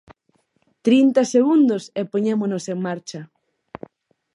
Trinta segundos e poñémonos en marcha.